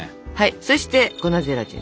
そして粉ゼラチン。